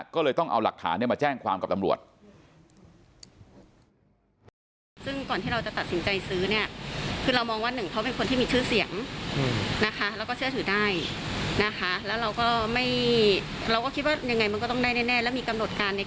ก็เลยต้องเอาหลักฐานมาแจ้งความกับตำรวจ